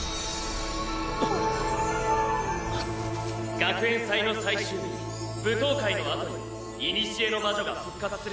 学園祭の最終日舞踏会のあとに古の魔女が復活する。